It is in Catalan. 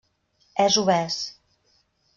És obès.